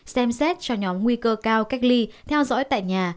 xem xét cho nhóm nguy cơ cao cách ly theo dõi tại nhà